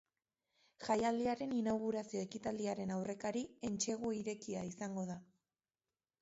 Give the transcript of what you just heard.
Jaialdiaren inaugurazio-ekitaldiaren aurrekari, entsegu irekia, izango da.